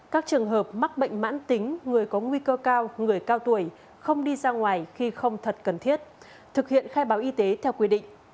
các trường hợp mắc bệnh mãn tính người có nguy cơ cao người cao tuổi không đi ra ngoài khi không thật cần thiết thực hiện khai báo y tế theo quy định